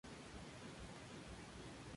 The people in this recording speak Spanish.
Fue miembro de la Unión de Librepensadores.